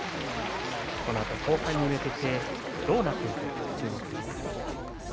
このあと後半に向けてどうなっていくのか注目です。